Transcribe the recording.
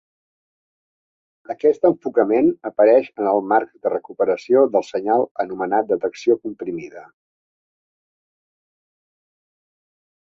Aquest enfocament apareix en el marc de recuperació del senyal anomenat detecció comprimida.